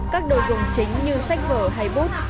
các đồ dùng chính như sách vở hay bút